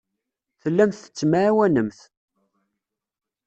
Tellamt tettemɛawanemt.